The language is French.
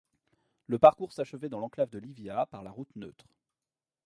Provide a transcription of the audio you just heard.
Le parcours s'achevait dans l'enclave de Llivia par la Route Neutre.